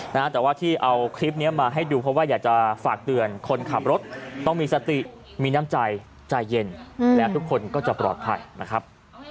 แต่ว่าที่เอาคลิปเนี้ยมาให้ดูเพราะว่าอยากจะฝากเตือนคนขับรถต้องมีสติมีน้ำใจใจเย็นแล้วทุกคนก็จะปลอดภัยนะครับ